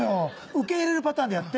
受け入れるパターンでやって。